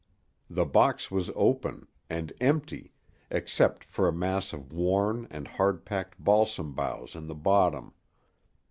The box was open and empty, except for a mass of worn and hard packed balsam boughs in the bottom.